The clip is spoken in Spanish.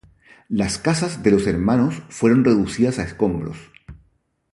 Las casas de los hermanos fueron reducidas a escombros.